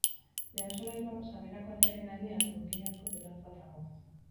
Lehen solairuan, sarrerako atearen gainean, burdinazko belatz bat dago.